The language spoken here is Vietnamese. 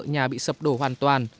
nhà bị sập đổ hoàn toàn